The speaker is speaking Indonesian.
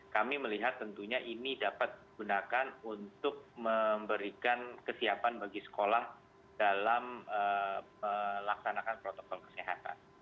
kami melihat tentunya ini dapat digunakan untuk memberikan kesiapan bagi sekolah dalam melaksanakan protokol kesehatan